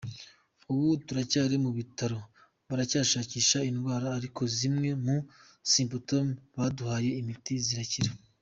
Ubu turacyari mu bitaro baracyashakisha indwara, ariko zimwe mu symptoms baduhaye imiti zirakira.